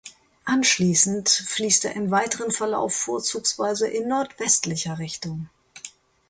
Anschließend fließt er im weiteren Verlauf vorzugsweise in nordwestlicher Richtung.